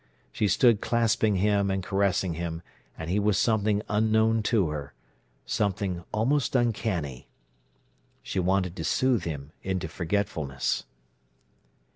She stood clasping him and caressing him, and he was something unknown to her—something almost uncanny. She wanted to soothe him into forgetfulness.